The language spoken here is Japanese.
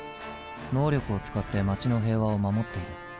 能力を使って街の平和を守っている。